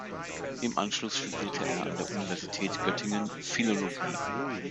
Im Anschluss studierte er an der Universität Göttingen Philologie.